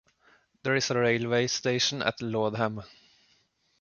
There is a railway station at Lowdham.